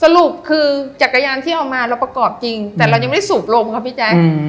สรุปคือจักรยานที่เอามาเราประกอบจริงแต่เรายังไม่ได้สูบลมค่ะพี่แจ๊ค